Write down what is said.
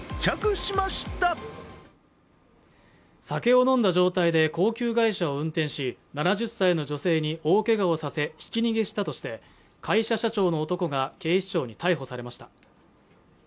酒を飲んだ状態で高級外車を運転し７０歳の女性に大けがをさせひき逃げしたとして会社社長の男が警視庁に逮捕されました